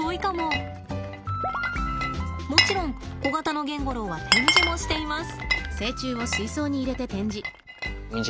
もちろんコガタノゲンゴロウは展示もしています。